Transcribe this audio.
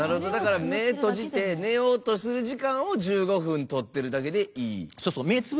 目、閉じて寝ようとする時間を１５分取ってるだけでいい。